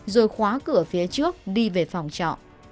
rồi khóa cửa phía trước đi về phòng trọ